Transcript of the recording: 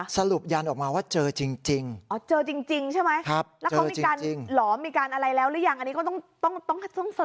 สรุปยันยันออกมาว่าเจอจริง